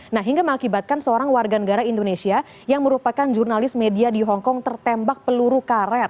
nah hingga mengakibatkan seorang warga negara indonesia yang merupakan jurnalis media di hongkong tertembak peluru karet